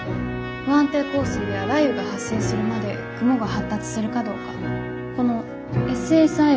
不安定降水や雷雨が発生するまで雲が発達するかどうかこのＳＳＩを求めて。